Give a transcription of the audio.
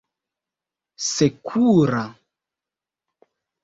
sekura